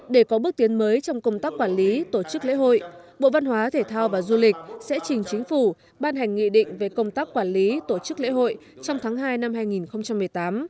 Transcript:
để có bước tiến mới trong công tác quản lý tổ chức lễ hội bộ văn hóa thể thao và du lịch sẽ trình chính phủ ban hành nghị định về công tác quản lý tổ chức lễ hội trong tháng hai năm hai nghìn một mươi tám